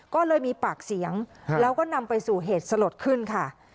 ก็เลยมีปากเสียงแล้วก็นำไปสู่เหตุสลดขึ้นค่ะ